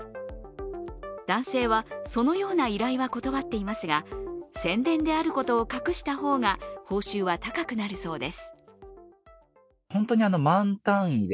男性は、そのような依頼は断っていますが、宣伝であることを隠した方が報酬は高くなるそうです。